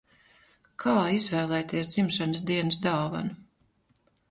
Kā izvēlēties dzimšanas dienas dāvanu?